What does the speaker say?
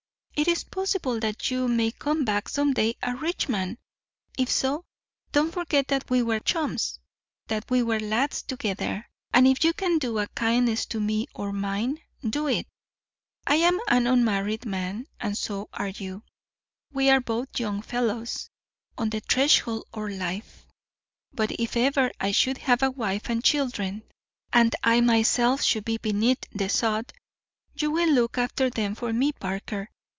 It is possible that you may come back some day a rich man; if so, don't forget that we were chums, that we were lads together, and if you can do a kindness to me or mine, do it. I am an unmarried man, and so are you. We are both young fellows on the threshold of life; but if ever I should have a wife and children, and I myself should be beneath the sod, you will look after them for me, Parker.